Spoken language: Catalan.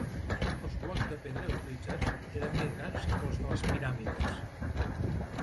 Els blocs de pedra utilitzats eren més grans que els de les piràmides.